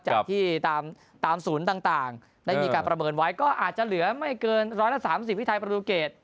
จากที่ตามศูนย์ต่างได้มีการประเมินไว้ก็อาจจะเหลือไม่เกิน๑๓๐ที่ไทยประตูเกต